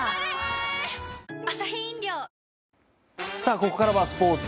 ここからはスポーツ。